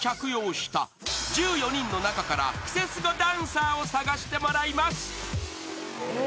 ［１４人の中からクセスゴダンサーを探してもらいます］